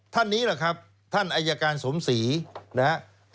ท่านนี้เหรอครับท่านอายการสมศรีนะฮะ